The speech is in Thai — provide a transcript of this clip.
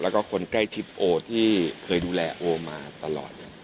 แล้วก็คนใกล้ชิดโอที่เคยดูแลโอมาตลอด